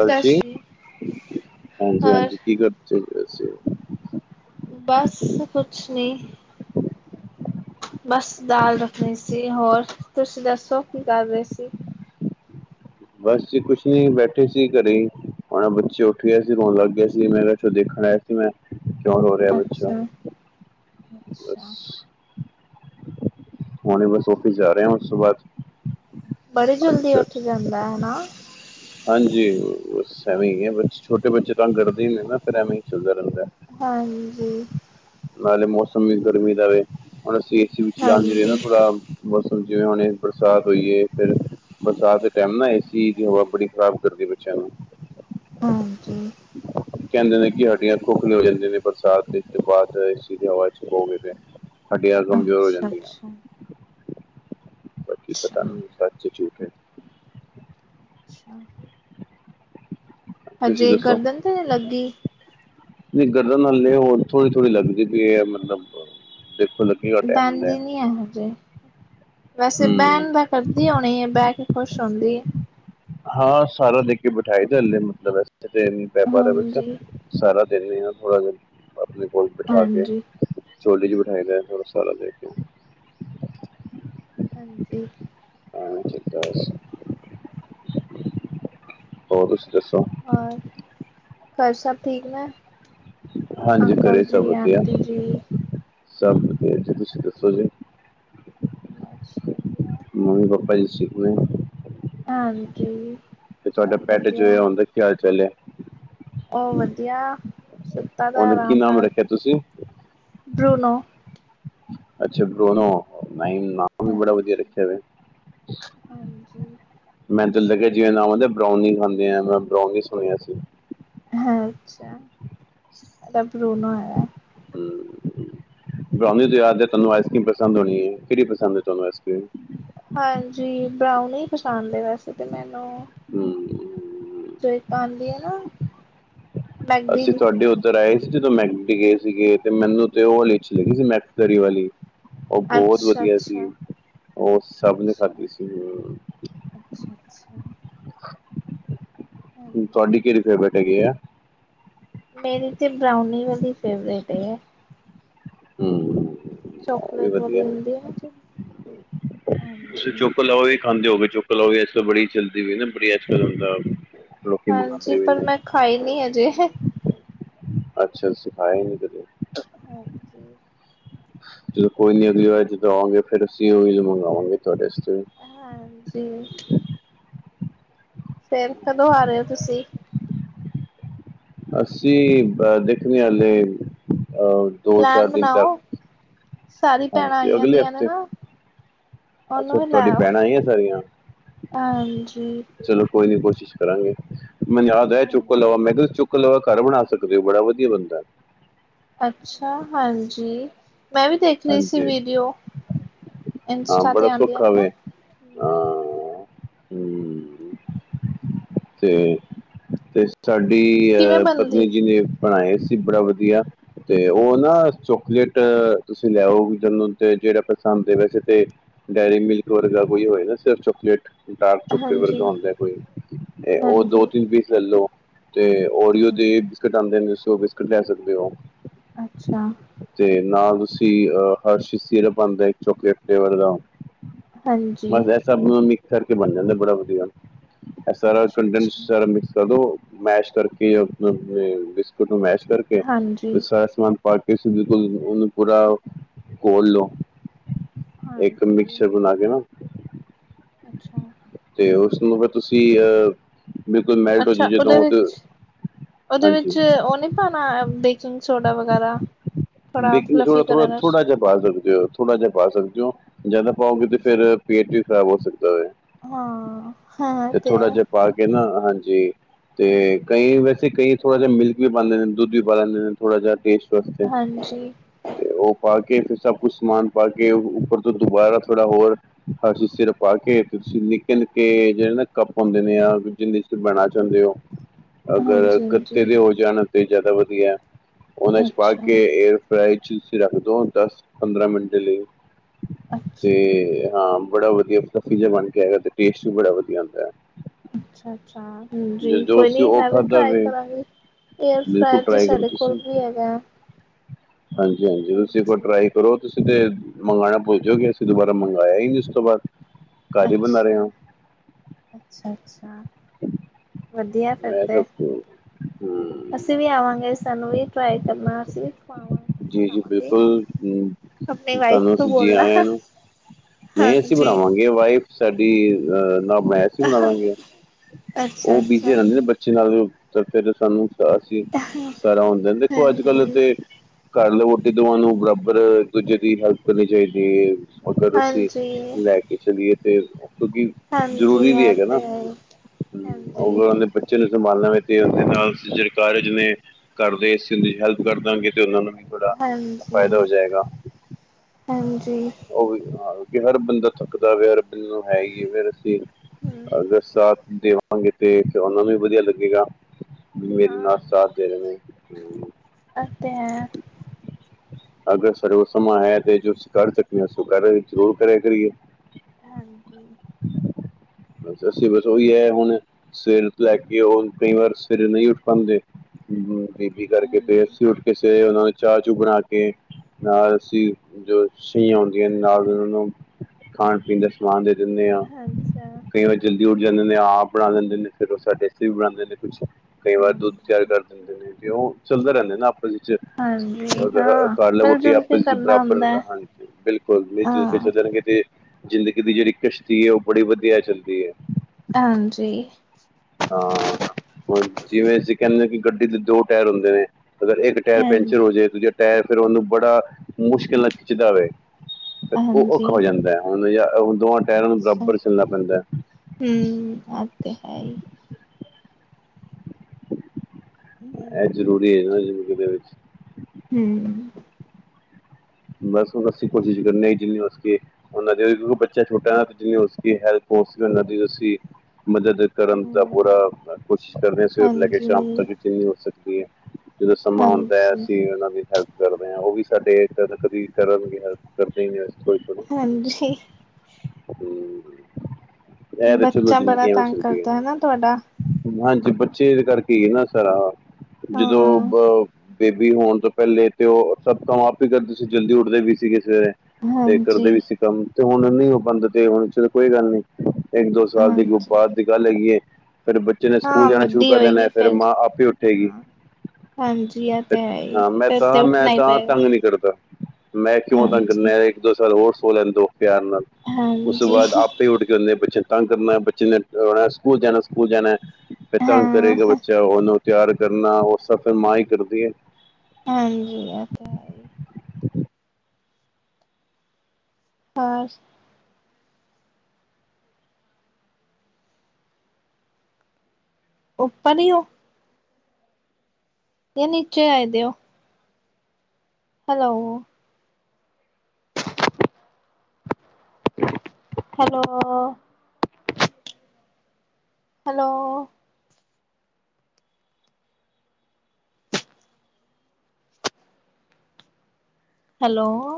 ਸਤਿ ਜੀ ਸ਼੍ਰੀ ਹਾਂਜੀ ਹੋਰ ਹਾਂਜੀ, ਕੀ ਕਰਦੇ ਪਏ ਸੀ। ਬਸ ਕੁਛ ਨੀ। ਬਸ ਦਾਲ ਰੱਖਣੀ ਸੀ ਹੋਰ, ਤੁਸੀਂ ਦੱਸੋ ਕੀ ਕਰ ਰਹੇ ਸੀ? ਬਸ ਕੁਛ ਨੀ ਬੈਠੇ ਸੀ ਘਰੇ ਹੀ, ਹੁਣੇ ਬੱਚੇ ਉੱਠ ਗਿਏ ਸੀ ਰੋਣ ਲੱਗ ਗਿਆ ਸੀ ਮੈਂ ਕਿਹਾ ਚਲੋ ਦੇਖਣਾ। ਮੈਂ ਕਿਉਂ ਹੋ ਰਿਹਾ ਬੱਚਾ, ਅੱਛਾ ਬਸ ਅੱਛਾ ਹਣੇ ਬਸ ਔਫਿਸ ਜਾ ਰਹੇ ਹੈ ਉਸ ਤੋਂ ਬਾਅਦ ਬੜੀ ਜਲਦੀ ਅੱਛਾ ਉੱਥੇ ਅੱਛਾ ਜਾਂਦਾ, ਹਨਾ। ਹਾਂਜੀ ਬਸ ਐਵੇਂ ਹੀ ਹੈ ਛੋਟੇ ਬੱਚੇ ਤਾ ਤੰਗ ਕਰਦੇ ਹੀ ਨੇ ਨਾ, ਫਿਰ ਐਵੇਂ ਹੀ ਚੱਲਦਾ ਰਹਿੰਦਾ। ਹਾਂਜੀ। ਨਾਲੇ ਮੌਸਮ ਵੀ ਗਰਮੀ ਦਾ ਵੇ, ਹੁਣ ਅਸੀਂ ਏਸੀ ਵਿੱਚ ਲਾਉਦੇ ਹਾਂਜੀ ਨੀ ਨਾ ਥੋੜਾ ਮੌਸਮ, ਜਿਵੇਂ ਹੁਣੇ ਬਰਸਾਤ ਹੋਈ ਏ ਫਿਰ ਬਰਸਾਤ ਦੇ ਟਾਈਮ ਨਾ ਏਸੀ ਦੀ ਹਵਾ ਬੜੀ ਖ਼ਰਾਬ ਕਰਦੀ ਬੱਚਿਆਂ ਨੂੰ, ਹਾਂਜੀ। ਕਹਿੰਦੇ ਨੇ ਕਿ ਹੱਡੀਆਂ ਖੋਖਲੇੀਆਂ ਹੋ ਜਾਂਦੀਆਂ ਨੇ, ਬਰਸਾਤ ਦੇ ਇਸ ਤੋਂ ਬਾਅਦ ਏ ਸੀ ਦੀ ਹਵਾ 'ਚ ਬਹੋ ਗੇ ਤੇ ਹੱਡੀਆਂ ਕਮਜ਼ੋਰ ਹੋ ਅੱਛਾ ਜਾਂਦੀਆਂ। ਅੱਛਾ ਕੀ ਅੱਛਾ ਪਤਾ, ਨੀ ਸੱਚ ਹੈ ਝੂਠ ਹੈ। ਅੱਛਾ। ਤੁਸੀਂ ਹਜੇ ਦੱਸੋ ਗਰਦਨ ਤੇ ਨੀ ਲੱਗਦੀ। ਨਹੀਂ ਗਰਦਨ ਹਲੇ ਹੋਰ ਥੋੜ੍ਹੀ ਥੋੜ੍ਹੀ ਲੱਗਦੀ ਪਈ ਹੈ ਮਤਲਬ, ਦੇਖੋ ਲੱ ਬਹਿੰਦੀ ਨੀ ਹੈ ਹਜੇ, ਵੈਸੇ ਹੂੰ ਬਹਿਣ ਦਾ ਕਰਦੀ ਹੋਣੀ ਹੈ ਬਹਿ ਕੇ ਖੁਸ਼ ਹੋਂਦੀ। ਹਾਂ ਸਾਰਾ ਦੇਖ ਕੇ ਬਿਠਾਾਈ ਦਾ ਹਲੇ ਮਤਲਬ, ਇਸ ਤਰਾਂ ਨਹੀ ਬੈ ਪਾ ਰਿਹਾ ਬੱਚਾ ਹਾਂਜੀ ਸਾਰਾ ਦੇਖਨੇ ਥੋੜਾ ਦਿਨ, ਆਪਣੇ ਕੋਲ ਬਿਠਾ ਕੇ ਹਾਂਜੀ ਚੋਲੀ ਜ ਬਿਠਾਈ ਦਾ, ਸਾਰਾ ਦੇ ਕੇ। ਹਾਂਜੀ। ਹਾਂਜੀ, ਹੋਰ ਤੁਸੀਂ ਦੱਸੋ? ਘਰ ਸਭ ਠੀਕ ਨੇ? ਹਾਂਜੀ ਅੰਕਲ ਘਰੇ ਸਭ ਜੀ, ਵਧੀਆ ਆਂਟੀ ਜੀ ਸਭ ਵਧੀਆ ਜੀ, ਤੁਸੀਂ ਦੱਸੋ ਜੀ? ਆਸਟ੍ਰੇਲੀਆ, ਮੰਮੀ ਪਾਪਾ ਜੀ ਸਿੱਖਣੇ ਹਾਂਜੀ, ਤੇ ਤੁਹਾਡੇ ਸਭ ਪੈਟ ਜੋ ਵਧੀਆ। ਹੈ ਉਹਦੇ ਕਿ ਹਾਲ ਚਾਲ ਹੈ? ਉਹ ਵਧੀਆ ਸੁੱਤਾ ਦਾ ਉਹਦਾ ਕੀ ਆਰਾਮ ਨਾਮ ਨਾਲ, ਰੱਖਿਆ ਤੁਸੀਂ ਬਰੂਨੋ। ਅੱਛਾ ਬਰੂਨੋ, ਨ ਨਾ ਹਾਂਜੀ -ਹਾਂਜੀ। ਮੈਨ ਤੇ ਲੱਗਿਆ ਜਿਵੇਂ ਨਾਮ ਆ ਬ੍ਰਉਨੀ ਖਾਂਦੇ ਆ, ਮੈਂ ਬਰਾਾਨੀ ਸੁਣਿਆ ਸੀ। ਅੱਛਾ, ਇਹਦਾ ਬਰੂਨੋ ਹੈ। ਹਮ। ਬਰਾਉਨੀ ਤੋਂ ਯਾਦ ਹੈ ਤੁਹਾਨੂੰ ਆਈਸ ਕ੍ਰੀਮ ਪਸੰਦ ਹੋਣੀ ਹੈ, ਕਿਹੜੀ ਪਸੰਦ ਹੈ ਤੁਹਾਨੂੰ ਆਈਸ ਕ੍ਰੀਮ? ਹਾਂਜੀ, ਬਰਾਊਨੀ ਹੀ ਪਸੰਦ ਹੈ ਵੈਸੇ ਤਾਂ ਮੈਨੂੰ ਹਮ। ਤੂੰ ਹੀ ਪਾਲੇ ਹੈ ਨਾ। ਮੈਗਡੀ ਅਸੀਂ ਦੀ ਤੁਹਾਡੇ ਉ ਉਧਰ ਆਏ ਸੀ ਜਦੋਂ ਮੈਕਡੀ ਗਏ ਸੀਗੇ ਤੇ ਮੈਨੂੰ ਤੇ ਉਹ ਵਾਲੀ ਅੱਛੀ ਲੱਗੀ ਸੀ ਮੈਕਸਰੀ ਵਾਲੀ। ਉਹ ਬਹੁਤ ਅੱਛਾ, ਵਧੀਆ ਅੱਛਾ, ਸੀ। ਉਹ ਸਭ ਨੇ ਅੱਛਾ। ਖਾਧੀ ਸੀ, ਹਾ। ਅੱਛਾ, ਅੱਛਾ ਹਾਂਜੀ। ਤੁਹਾਡੀ ਕਿਹੜੀ ਫੇਵਰੇਟ ਹੈਗੀ ਆ? ਮੇਰੀ ਤੇ ਬਰਾਉਨੀ ਵਾਲੀ ਫੇਵਰੇਟ ਹੈ। ਹਮ। ਚੋਕਲੇਟ ਵਾਲੀ ਹੁੰਦੀ ਆ। ਤੁਸੀਂ ਚੋੱਕ ਲਾਵਾ ਵੀ ਖਾਂਦੇ ਹੋਗੇ, ਚੋੱਕ ਲਾਵਾ ਵੀ ਅੱਜ ਕਲ ਬੜੀ ਚੱਲਦੀ ਵੀਈ ਨਾ ਬੜੀ ਅੱਜੱਕਲ ਹੁੰਦਾ। ਲੋਕੀ ਹਾਂਜੀ, ਮੰਗਵਾਉਂਦੇ ਵੀ ਪਰ ਨੇ ਮੈਂ ਖਾਈ ਨੀ ਅਜੇ। ਅੱਛਾ, ਤੁਸੀ ਖਾਏ ਨੀ ਕਦੇ। ਹਾਂਜੀ। ਜਦੋਂ ਕੋਈ ਨੀ ਅਗਲੀ ਵਾਰ ਜਦੋਂ ਆਵਾਂਗੇ, ਫੇਰ ਅਸੀਂ ਉਹੀ ਮੰਗਵਾਵਾਂਗੇ ਤੁਹਾਡੇ ਵਾਸਤੇ। ਹਾਂਜੀ। ਫੇਰ ਕਦੋਂ ਆ ਰਹੇ ਹੋ ਤੁਸੀਂ? ਅਸੀਂ ਦੇਖਣੇ ਹਲੇ ਪਲੈਨ ਬਣਾਓ, ਸਾਰੀ ਭੈਣਾਂ ਹਾਂਜੀ ਅਗਲੇ ਆਈਆਂਦੀਆਂ ਨੇ ਹਫ਼ਤੇ ਨਾ। ਉਹ ਅੱਛਾ ਓਨੂੰ ਵੀ ਤੁਹਾਡੀ ਲੈਓ ਭੈਣਾਂ ਆਈਆਂ ਸਾਰੀਆਂ ਆੳ, ਹਾਂਜੀ। ਚਲੋ ਕੋਈ ਨੀ ਕੋਸ਼ਿਸ਼ ਕਰਾਂਗੇ। ਮੈਨੂੰ ਯਾਦ ਆ ਚੋਕੋ ਲਾਵਾਂ ਮੈਂ ਕਿਹਾ ਚੁੱਕ ਚੋਕੋ ਘਰ ਬਣਾ ਸਕਦੇ ਹੋ ਬੜਾ ਵਧੀਆ ਬਨਦਾ। ਅੱਛਾ ਹਾਂਜੀ, ਮੈਂ ਵੀ ਦੇਖ ਰਹੀ ਸੀ ਹਾਂਜੀ ਵੀਡੀਓ। ਇੰਸਟਾ ਤੇ ਆਉਂਦੀਆਂ ਹਨ ਨਾ। ਹਹ ਹਮ। ਤੇ ਸਾਡੀ ਕਿਵੇਂ ਅਹ ਬਣਦੀ? ਪਤਨੀ ਜੀ ਨੇ ਬਣਾਏ ਸੀ, ਬੜਾ ਵਧੀਆ। ਤੇ ਉਹ ਨਾ ਅੱਛਾ ਚੋਕਲੇਟ ਤੁਸੀਂ ਲਿਆਓ ਤੇ ਜਿਹੜਾ ਪਸੰਦ ਦੇ, ਵੈਸੇ ਤੇ ਡੇਅਰੀ ਮਿਲਕ ਵਰਗਾ ਕੋਈ ਹੋਏ ਨਾ ਸਿਰਫ ਚੋਕਲੇਟ ਡਾਰਕ ਚੌਕਲਟ ਹਾਂਜੀ, ਵਰਗਾ ਹੁੰਦਾ ਕੋਈ ਤੇ ਉਹ ਹਾਂਜੀ, ਦੋ ਤਿੰਨ ਪੀਸ ਲੈ ਲੋ ਤੇ ਓਰੀਓ ਦੇ ਹਾਂਜੀ। ਬਿਸਕਟ ਆਉਂਦੇ, ਤੁਸੀ ਉਹ ਬਿਸਕਟ ਲੈ ਸਕਦੇ ਹੋ। ਅੱਛਾ। ਤੇ ਨਾਲ ਤੁਸੀਂ ਅਹ ਹਰਸ਼ੀ ਸਿਰਪ ਆਂਦੇ ਇੱਕ ਚੋੱਕੇ ਫਲੇਵਰ ਦਾ। ਹਾਂਜੀ। ਬਸ ਇਹ ਸਭ ਮਿਕਸ ਕਰਕੇ ਬਣ ਜਾਂਦਾ ਬੜਾ ਵਧੀਆ, ਇਹ ਸਾਰਾ ਅੱਛਾ, ਕੰਡੈਂ ਅੱਛਾ, ਮਿਕਸ ਕਰ ਦੋ, ਮੈਸ਼ ਕਰਕੇ ਆਪਣਾ ੳਹਨੂੰ ਮੈਸ਼ ਕਰਕੇ ਹਾਂਜੀ, ਕੁ ਸਾਰਾ ਸਮਾਨ ਪਾ ਕੇ ਸਿਰਪ ੳਹਨੂੰ ਕੋਲ, ਉਹਨੂੰ ਥੋੜਾ ਕੋਲ ਲੋ। ਇੱਕ ਹਾਂਜੀ। ਮਿਕਸਰ ਬਣਾ ਕੇ ਨਾ ਅੱਛਾ। ਤੇ ਉਸਨੂੰ ਫਿਰ ਤੁਸੀਂ ਅਹ ਬਿਲਕੁਲ ਮੈਲਟ ਹੋ ਜੇ ਅੱਛਾ ਉਹਦੇ ਜਦੋਂ ਤੇ ਵਿੱਚ ਹਾਂਜੀ। ਪਾਨਾ ਬੇਕਿੰਗ ਸੋਡਾ ਵਗੈਰਾ। ਥੋੜਾ ਬੇਕਿੰਗ ਸੋਡਾ ਫਲਫੀ ਥੋੜਾ- ਕਰਨ ਆਸ ਥੋੜਾ ਜਿਹਾ ਪਾ ਸਕਦੇ ਹੋ, ਥੋੜ੍ਹਾ ਜਿਹਾ ਪਾ ਸਕਦੇ ਹੋ, ਜਿਆਦਾ ਪਾਓਗੇ ਤੇ ਅੱਛਾ, ਫੇਰ ਪੇਟ ਵੀ ਖ਼ਰਾਬ ਹੋ ਸਕਦਾ ਵੇ। ਹਾਂ ਹੈ ਤੇ ਆ। ਪਾ ਕੇ ਨਾ ਹਾਂਜੀ। ਤੇ ਕਈ ਵੈਸੇ ਕਈ ਥੋੜਾ ਜਿਹਾ ਮਿਲਕ ਵੀ ਪਾਦੇ ਨੇ ਦੁੱਧ ਵੀ ਪਾ ਲੈਂਦੇ ਨੇ। ਥੋੜਾ ਜਿਹਾ ਟੇਸਟ ਵਾਸਤੇ। ਹਾਂਜੀ। ਤੇ ਉਹ ਪਾ ਕੇ ਫਿਰ ਸਭ ਕੁਛ ਸਮਾਨ ਪਾ ਕੇ ਉੱਪਰ ਤੋਂ ਦੁਬਾਰਾ ਥੋੜ੍ਹਾ ਹੋਰ ਹਰਸ਼ੀਜ਼ ਸਿਰਪ ਪਾ ਕੇ ਤੁਸੀਂ ਨਿੱਕੇ-ਨਿੱਕੇ ਜਿਹੜੇ ਨਾ ਕੱਪ ਹੁੰਦੇ ਨੇ ਆ ਜਿੰਨੇ ਚ ਤੁਸੀਂ ਬਣਾ ਚਾਂਹੁਦੇ ਹੋ। [inaudible] ਅਗਰ ਗੱਤੇ ਹਾਂਜੀ-ਹਾਂਜੀ, ਦੇ ਹੋ ਜਾਣ ਤੇ ਜ਼ਿਆਦਾ ਵਧੀਆ। ਉਹਨੇ ਚ ਪਾ ਅੱਛਾ, ਕੇ ਏਅਰ ਫਰਾਇਜ ਚ ਰੱਖ ਦੋ ਦਸ ਪੰਦਰਾਂ ਮਿੰਟ ਦੇ ਲਈ। ਅੱਛਾ। ਤੇ ਹਾਂ ਬੜਾ ਵਧੀਆ ਫਲਫੀ ਜਿਹਾ ਬਣ ਕੇ ਆਏਗਾ ਤੇ ਟੇਸਟ ਵੀ ਬੜਾ ਵਧੀਆ ਹੁੰਦਾ ਏ। ਅੱਛਾ-ਅੱਛਾ ਹਾਂਜੀ, ਕੋਈ ਨੀ ਉਹ ਮੈਂ ਵੀ ਖਾਧਾ ਟਰਾਈ ਵੇ ਕਰਾਂਗੀ। ਏਅਰ ਬਿਲਕੁਲ ਫਰਾਇਰ ਤਾਂ ਟਰਾਈ ਕਰੋ ਸਾਡੇ ਕੋਲ ਵੀ ਹੈਗਾ। ਹਾਂਜੀ-ਹਾਂਜੀ, ਤੁਸੀਂ ਏਕ ਵਾਰੀ ਹਾਂਜੀ ਟਰਾਈ ਕਰੋ ਤੁਸੀਂ ਤੇ ਮੰਗਾਨਾ ਭੁੱਲ ਜੋਗੇ, ਅਸੀਂ ਦੁਬਾਰਾ ਮੰਗਇਆ ਹੀ ਨੀ ਉਸ ਤੋਂ ਬਾਅਦ। ਅੱਛਾ, ਅੱਛਾ-ਅੱਛਾ ਵਧੀਆ। ਮੈਂ ਸਭ ਅਸੀਂ ਵੀ ਹਮ ਆਵਾਂਗੇ ਸਾਨੂੰ ਵੀ ਟਰਾਈ ਕਰਨਾ ਅਸੀਂ ਵੀ ਖਵਾਵਾਂਗੇ। ਜੀ-ਜੀ, ਬਿਲਕੁਲ ਤਾਨੂੰ ਅਸੀਂ ਜੀ ਆਇਆ ਨੂੰ। ਨਈ ਅਸੀਂ ਹਾਂਜੀ ਬਣਾਵਾਂਗੇ ਵਾਈਫ ਸਾਡੀ ਅਹ ਨਾ ਬਣਾ ਅਸੀਂ ਬਣਾਵਾਂਗੇ ਅੱਛਾ ਉਹ ਅੱਛਾ ਬਿਜ਼ੀ ਰੇਨਦੇ ਨੇ ਬੱਚੇ ਨਾਲ ਤੇ ਫਿਰ ਸਾਨੂੰ ਅਸੀਂ ਸਾਰਾ ਹੁੰਦੇ ਨੇ ਦੇਖੋ ਅੱਜ-ਕੱਲ੍ਹ ਹਾਂਜੀ ਤੇ ਘਰ ਵਾਲੇ ਤੇ ਵੋਟੀ ਦੋਵਾਂ ਨੂੰ ਬਰਾਬਰ ਏਕ ਦੂਜੇ ਦੀ ਹੈਲਪ ਕਰਨੀ ਚਾਹੀਦੀ ਏ। ਉੱਧਰ ਅਸੀਂ ਹਾਂਜੀ ਲੈ ਕੇ ਚਲੀਏ ਤੇ ਉਥੋਂ ਕੀ ਹਾਂਜੀ ਏ ਤੇ ਹੈ ਇਸ। ਆਊਗਾ ਆਪਣੇ ਬੱਚੇ ਨੂੰ ਸੰਭਾਲਣਾ ਤੇ ਤੇਰਾ ਦੇ ਨ ਨਾਲ ਸਜੇ ਕਾਰਜ ਨੇ ਕਰਦੇ ਇਸ ਹੈਲਪ ਕਰ ਦਾਂਗੇ ਤੇ ਉਹਨਾਂ ਨੂੰ ਥੋੜਾ ਫੈਦਾ ਹੋ ਹਾਂਜੀ ਜਾਏਗਾ। ਹਾਂਜੀ ਉਹ ਵੀ ਹਾਂ ਹਰ ਬੰਦਾ ਥੱਕਦਾ ਵੀ, ਹਰ ਬੰਦੇ ਨੂੰ ਹੈ ਹੀ ਐ ਫਿਰ ਅਸੀਂ ਹਮ ਅਗਰ ਸਾਥ ਦੇਵਾਂਗੇ ਤੇ ਫਿਰ ਉਹਨਾਂ ਨੂੰ ਵੀ ਵਧੀਆ ਲੱਗੇਗਾ। ਮੇਰੇ ਨਾਲ ਹਾਂ ਸਾਥ ਦੇ ਰਹੇ ਨੇ ਹੂੰ। ਉਤੇ ਹੈ। ਅਗਰ ਸਾਡੇ ਕੋਲ ਸਮਾਂ ਹੈ ਤੇ ਜੋ ਅਸੀਂ ਕਰ ਸਕਦੇ ਹਾਂ ਸ ਕਰ, ਜ਼ਰੂਰ ਕਰਿਆ ਕਰੀਏ। ਹਾਂਜੀ। ਅ ਅਸੀਂ ਵਧ ਉਹੀ ਹੈ ਹੁਣ ਸਵੇਰ ਤੋਂ ਲੈ ਕੇ ਉਹ ਕਈ ਵਾਰ ਸਵੇਰੇ ਨਈ ਉੱਠ ਪਾਦੇ ਹੂੰ ਕਰਕੇ ਫਿਰ ਹਾਂਜੀ ਅਸੀ ਉੱਠ ਕੇੇ ਉਹਨਾਂ ਨੂੰ ਚਾਹ ਚੂ ਬਣਾ ਕੇ। ਨਾਲ ਅਸੀਂ ਜੋ ਸਛਹੀਆਂ ਹੁੰਦੀਆਂ ਨੇ ਨਾਲ ਉਹਨਾਂ ਨੂੰ ਖਾਣ ਪੀਣ ਦਾ ਸਮਾਨ ਦੇ ਦਿੰਦੇ ਆ। ਅੱਛਾ ਕਈ ਵਾਰੀਂ ਉੱਠ ਜਾਂਦੇ ਨੇ ਆਪ ਬਣਾ ਦਿੰਦੇ ਨੇ ਫਿਰ ਉਹ ਸਾਡੇ ਵੀ ਬਣਾਦੇ ਨੇ ਕੁਛ, ਕਈ ਵਾਰ ਦੁੱਧ ਤਿਆਰ ਹਾਂਜੀ ਕਰਦੇ ਦਿੰਦੇ ਨੇ ਤੇ ਓ ਚੱਲਦੇ ਰਹਿੰਦੇ ਨੇ ਨਾ ਆਪਸ ਵਿੱਚ ਹਾਂਜੀ ਹਾਂ ਕੱਲ ਮਿਲ ਬੂਟੀ ਜੁਲ ਕੇ ਆਪਸ ਚ ਕਰਨਾ ਬਰਾਬਰ ਹੁੰਦਾ ਹੈ ਹਾਂਜੀ ਬਿਲਕੁਲ ਹਾਂ [unintelligible] ਕਿਤੇ ਜ਼ਿੰਦਗੀ ਦੀ ਜਿਹੜੀ ਕਿਸ਼ਤੀ ਏ ਉਹ ਬੜੀ ਵਧੀਆ ਚੱਲਦੀ ਏ। ਹਾਂਜੀ ਹਾਂ ਹੁਣ ਜਿਵੇਂ ਅਸੀਂ ਕਹਿੰਦੇ ਹਾਂ ਕਿ ਗੱਡੀ ਦੇ ਦੋ ਟਾਇਰ ਹੁੰਦੇ ਨੇ। ਅਗਰ ਇੱਕ ਇੱਕ ਟਾਇਰ ਪੈਂਚਰ ਹਾਂਜੀ ਹੋ ਜਾਏ ਦੂਜੇ ਟਾਇਰ ਫਿਰ ਉਹਨੂੰ ਬੜਾ ਮੁਸ਼ਕਿਲ ਨਾਲ ਖਿੱਚਦਾ ਹੋਵੇ। ਤੇ ਉਹ ਹਾਂਜੀ ਔਖਾ ਹੋ ਜਾਂਦਾ ਹੈ ਹੁਣ ਦੋਵਾਂ ਟਹਿਰਾਂ ਨੂੰ ਬਰਾਬਰ ਚਲਣਾ ਪੈਂਦਾ ਹੈ। ਹੂੰ ਓ ਤੇ ਹੈ ਈ। ਇਹ ਹਮ ਜ਼ਰੂਰੀ ਹੈ ਨਾ ਜ਼ਿੰਦਗੀ ਦੇ ਵਿੱਚ। ਹੂੰ ਬਸ ਅਸੀਂ ਕੋਸ਼ਿਸ਼ ਕਰਨ ਜਿੰਨੀ ਹੋ ਸਕੇ। ਉਹਨਾਂ ਦੀ ਕਿਉਂਕਿ ਬੱਚਾ ਛੋਟਾ ਜਿੰਨੀ ਉਸਦੀ ਹੈਲਪ ਹੋ ਸਕੇ ਉਹਨਾਂ ਦੀ ਉਸ ਮਦਦ ਕਰਨ ਦਾ ਪੂਰਾ ਹੂੰ, ਕੋਸ਼ਿਸ਼ ਕਰਦੇ ਸਵੇਰ ਤੋਂ ਲੈ ਕੇ ਸ਼ਾਮ ਤੱਕ ਹਾਂਜੀ, ਚੀਜ਼ ਨਹੀਂ ਹੋ ਸਕਦੀ ਹੈ। ਜਦੋਂ ਸਮਾਂ ਆਉਂਦਾ ਹੈ। ਹਾਂਜੀ, ਅਸੀਂ ਉਹਨਾਂ ਦੀ ਹੈਲਪ ਕਰਦੇ ਹਾਂ। ਉਹ ਵੀ ਸਾਡੇ ਇਦਾਂ ਕਦੀ ਕਰਨ ਦੀ ਹੈਲਪ ਕਰਦੇ ਨਹੀਂ ਅਸੀਂ ਕੋਈ ਹਾਂਜੀ- ਹੂੰ [unintelligible] ਬੱਚਾ ਬੜਾ ਜ਼ਿੰਦਗੀਆਂ ਤੰਗ ਸਰਦੀਆਂ ਕਰਦਾ ਹੈ ਨਾ ਤੁਹਾਡਾ, ਹਾਂਜੀ ਬੱਚੇ ਕਰਕੇ ਹੀ ਨਾ ਸਾਰਾ ਜਦੋਂ ਹਾਂ। ਬੇਬੀ ਹੋਣ ਤੋਂ ਪਹਿਲੇ ਤੇ ਉਹ ਸਭ ਤੋ ਪਹਿਲਾਂ ਆਪ ਹੀ ਕਰਦੇ ਸੀ ਜਲਦੀ ਉਠਦੇ ਵੀ ਸੀ ਸਵੇਰੇ- ਤੇ ਹਾਂਜੀ, ਕਰਦੇ ਵੀ ਸੀ ਕੰਮ ਤੇ ਹੁਣ ਨੀ ਉਹ ਪਾਂਦਾ ਚਲੋ ਕੋਈ ਗੱਲ ਨਹੀਂ - ਇਕ ਦੋ ਸਾਲ ਹਾਂਜੀ, ਬਾਅਦ ਦੀ ਗੱਲ ਹੈਗੀਏ ਫਿਰ- ਬੱਚੇ ਨੇ ਸਕੂਲ ਹਾਂ ਜਾਣਾ ਸ਼ੁਰੂ ਵੱਡੀ ਕਰ ਦੇਨ ਹੋਏਗੀ ਫਿਰ ਮਾਂ ਆਪੇ ਉਠੇਗੀ- ਹਾਂ। ਹਾਂਜੀ ਇਹ ਤੇ ਹੈ ਹੀ, ਹਾਂ ਮੈ ਫਿਰ ਤੇ ਤਾਹਾਂ ਮੈਂ ਉੱਠਣਾ ਹੀ ਤਾਹਾਂ ਪਏਗਾ, ਤੰਗ ਨਹੀਂ ਕਰਦਾ ਮੈਂ ਕਿਉਂ ਹਾਂਜੀ। ਕਰ ਇਕ ਦੋ ਸਾਲ ਹੋਰ ਸੋ ਲੈਦੇ ਦੋ ਪਿਆਰ ਨਾਲ- ਉਸ ਤੋਂ ਹਾਂਜੀ, ਬਾਅਦ ਆਪ- ਉਠ ਕੇ ਹੁੰਦੇ ਬੱਚ ਤੰਗ ਕਰਨਾ ਬੱਚੇ ਨੇ ਸਕੂਲ ਜਾਣਾ ਸਕੂਲ ਜਾਣਾ- ਫਿਰ ਤੰਗ ਹਾਂ, ਕਰੇਗਾ ਬੱਚਾ ਉਹਨੂੰ ਤਿਆਰ ਕਰਨਾ ਉਹ ਸਭ ਫਿਰ ਮਾਂ ਹੀ ਕਰਦੀ ਹੈ। ਹਾਂਜੀ ਇਹ ਤੇ ਹੈ। ਹਾਂ ਓਪਨ ਹੀ ਉਹ ਕਿ ਨੀਚੇ ਆਏ ਦੇਓ- ਹੈਲੋ- ਹੈਲੋ- ਹੈਲੋ- ਹੈਲੋ-